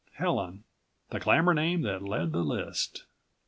Helen, the glamor name that led the list.